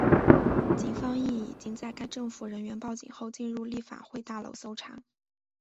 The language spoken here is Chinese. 警方亦已经在该政府人员报警后进入立法会大楼搜查。